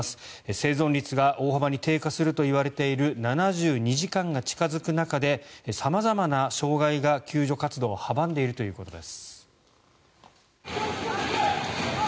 生存率が大幅に低下するといわれている７２時間が近付く中で様々な障害が救助活動を阻んでいるということです。